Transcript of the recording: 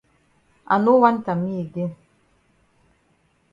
I no want am me again.